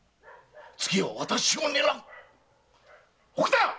次は私を狙う⁉奥田っ！